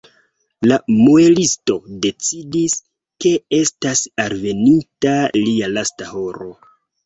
La muelisto decidis, ke estas alveninta lia lasta horo.